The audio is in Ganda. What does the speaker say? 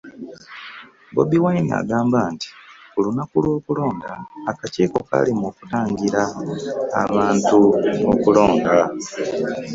Bobi Wine agamba nti ku lunaku lw'okulonda, akakiiko kaalemwa okutangira abantu okulonda